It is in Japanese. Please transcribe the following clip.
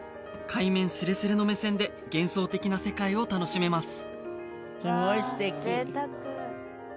海面スレスレの目線で幻想的な世界を楽しめます